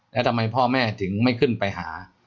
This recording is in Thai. แล้วทำไมพ่อแม่ถึงไม่ขึ้นไปหา